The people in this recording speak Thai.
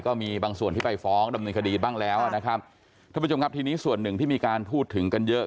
ก็มีบางส่วนที่ไปฟ้องดำเนินคดีบ้างแล้วนะครับท่านผู้ชมครับทีนี้ส่วนหนึ่งที่มีการพูดถึงกันเยอะ